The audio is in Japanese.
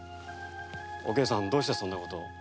おけいさんどうしてそんな事を？